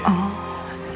kamu mau ke rumah